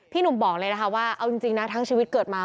หนุ่มบอกเลยนะคะว่าเอาจริงนะทั้งชีวิตเกิดมา